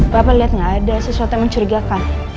bapak lihat nggak ada sesuatu yang mencurigakan